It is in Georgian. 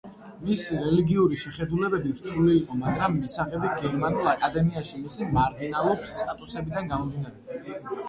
მისი რელიგიური შეხედულებები რთული იყო, მაგრამ მისაღები გერმანულ აკადემიაში მისი მარგინალური სტატუსიდან გამომდინარე.